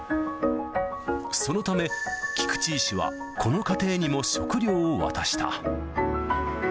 そのため、菊池医師はこの家庭にも食料を渡した。